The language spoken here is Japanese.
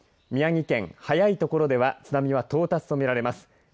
宮城県、早い所では津波を到達とみられます。